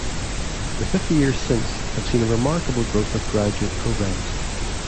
The fifty years since have seen a remarkable growth of graduate programs.